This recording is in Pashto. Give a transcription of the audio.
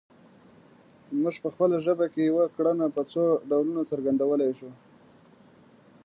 موږ په خپله ژبه کې یوه کړنه په څو ډولونو څرګندولی شو